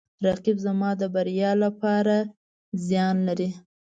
رقیب زما د بریا لپاره زیان لري